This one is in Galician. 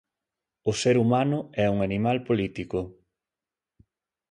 O ser humano é un animal político.